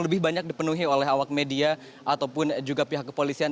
lebih banyak dipenuhi oleh awak media ataupun juga pihak kepolisian